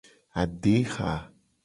Adeha.